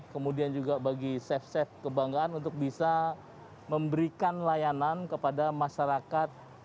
kemudian juga bagi chef chef kebanggaan untuk bisa memberikan layanan kepada masyarakat